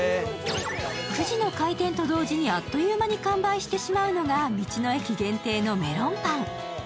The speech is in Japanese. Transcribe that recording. ９時の開店と同時にあっという間に完売してしまうのが道の駅限定のメロンパン。